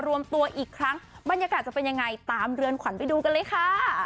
รวมตัวอีกครั้งบรรยากาศจะเป็นยังไงตามเรือนขวัญไปดูกันเลยค่ะ